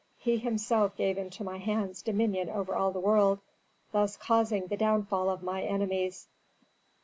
He himself gave into my hands dominion over all the world, thus causing the downfall of my enemies."